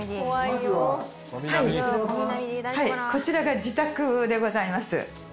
はいこちらが自宅でございます。